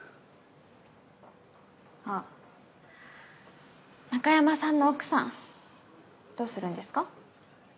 あ中山さんの奥さんどうするんですか？